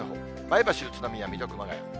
前橋、宇都宮、水戸、熊谷。